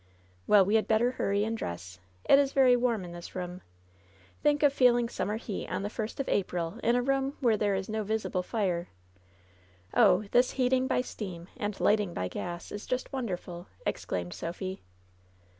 "Well, we had better hurry and dress. It is very warm in this room. Think of feeling summer heat on the first of April in a room where there is no visible fire ! Oh ! this heating by steam and lighting by gas is just wonderful !" exclaimed Sophy.